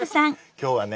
今日はね